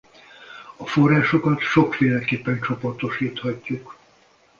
A forrásokat sokféleképpen csoportosíthatjuk.